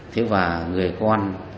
thế và người con